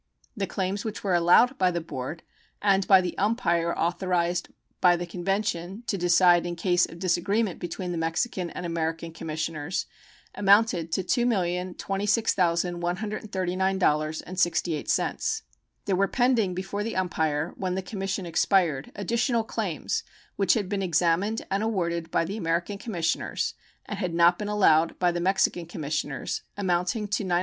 The claims which were allowed by the board and by the umpire authorized by the convention to decide in case of disagreement between the Mexican and American commissioners amounted to $2,026,139.68. There were pending before the umpire when the commission expired additional claims, which had been examined and awarded by the American commissioners and had not been allowed by the Mexican commissioners, amounting to $928,627.